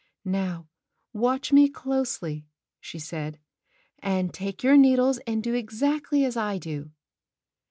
''Now, watch me closely," she said, "and take your needles and do exactly as I do."